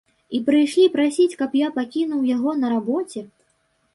І прыйшлі прасіць, каб я пакінуў яго на рабоце?